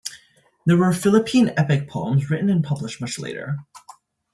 There were Philippine epic poems written and published much later.